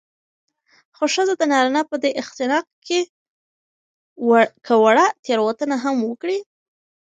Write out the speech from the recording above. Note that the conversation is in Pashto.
خو ښځه د نارينه په دې اختناق کې که وړه تېروتنه هم وکړي